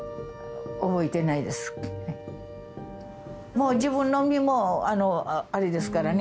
もう自分の身もあのあれですからね。